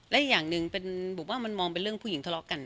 และอีกอย่างหนึ่งผมว่ามันมองเป็นเรื่องผู้หญิงทะเลาะกัน